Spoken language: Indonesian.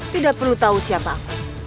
tidak perlu tahu siapa